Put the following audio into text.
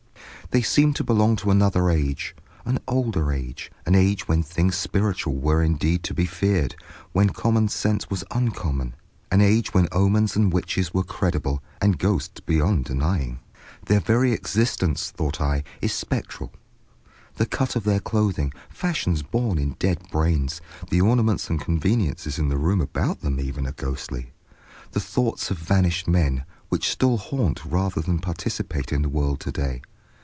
They seemed to belong to another age, an older age, an age when things spiritual were indeed to be feared, when common sense was uncommon, an age when omens and witches were credible, and ghosts beyond denying. Their very existence, thought I, is spectral; the cut of their clothing, fashions born in dead brains; the ornaments and conveniences in the room about them even are ghostly—the thoughts of vanished men, which still haunt rather than participate in the world of to day.